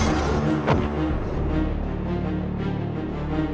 atau mungkin sedanger morgen berwalk bahas